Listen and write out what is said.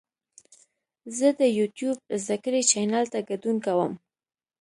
زه د یوټیوب زده کړې چینل ته ګډون کوم.